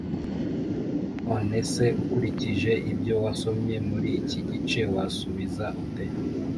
None se ukurikije ibyo wasomye muri iki gice wasubiza ute